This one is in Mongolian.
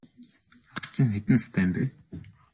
Ах чинь хэдэн настай юм бэ?